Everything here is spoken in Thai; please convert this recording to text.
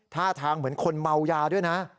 ท่าทางเหมือนคนเมายาด้วยนะ